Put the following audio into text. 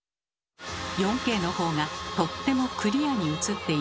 ４Ｋの方がとってもクリアに映っています。